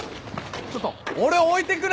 ちょっと俺を置いてくな！